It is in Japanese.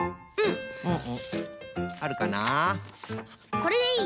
これでいい？